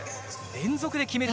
連続で決めた！